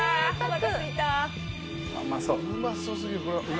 うまそう。